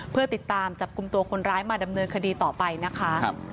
เพื่อติดตามจับกลุ่มตัวคนร้ายมาดำเนินคดีต่อไปนะคะ